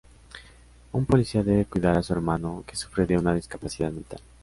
Un policía debe cuidar a su hermano, que sufre de una discapacidad mental.